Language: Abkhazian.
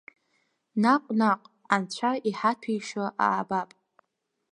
Наҟ-наҟ, анцәа иҳаҭәеишьо аабап.